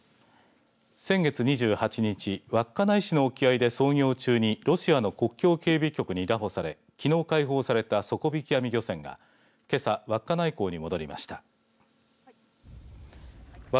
先月２８日稚内市の沖合で操業中にロシアの国境警備局に拿捕されきのう解放された底引き網漁船がけさ、稚内に戻ってきました。